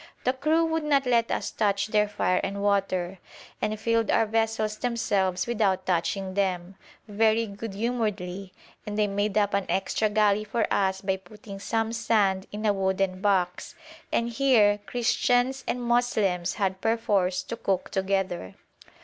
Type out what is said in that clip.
The crew would not let us touch their fire and water, and filled our vessels themselves without touching them, very good humouredly, and they made up an extra galley for us by putting some sand in a wooden box, and here Christians and Moslems had perforce to cook together.